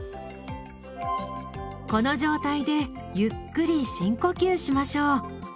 この状態でゆっくり深呼吸しましょう。